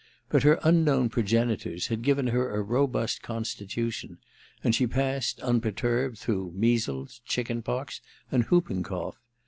But her unknown progeni tors had given her a robust constitution, and she passed unperturbed through measles, chicken pox and whooping cough.